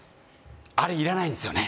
あれいらないんですよね